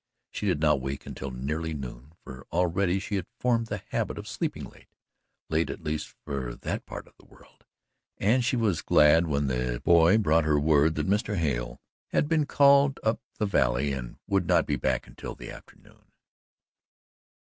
She did not wake until nearly noon, for already she had formed the habit of sleeping late late at least, for that part of the world and she was glad when the negro boy brought her word that Mr. Hale had been called up the valley and would not be back until the afternoon.